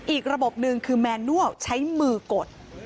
อีกระบบหนึ่งคือแมนนัวใช้มือกด